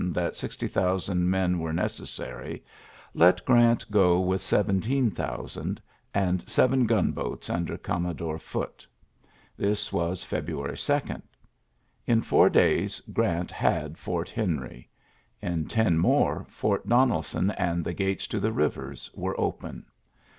that sixty thousand men were necessary, let Grant go with seventeen thousand, and seven gunboats under Commodore Foote, This was February 2. In four days. Grant had Fort Henry. In ten more, Fort Donelson and the gates to the rivers were open.